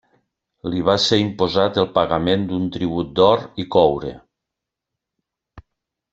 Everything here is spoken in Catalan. Li va ser imposat el pagament d'un tribut d'or i coure.